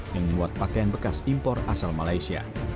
yang membuat pakaian bekas impor asal malaysia